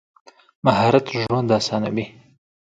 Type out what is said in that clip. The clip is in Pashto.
مهارت ژوند اسانوي.